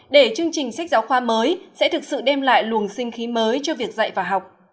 để chương trình sách giáo khoa mới sẽ thực sự đem lại luồng sinh khí mới cho việc dạy và học